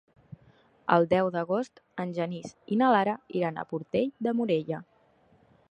El deu d'agost en Genís i na Lara iran a Portell de Morella.